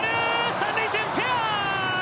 三塁線、フェア。